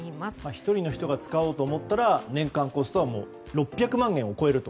１人の人が使おうと思ったら、年間コストは６００万円を超えると。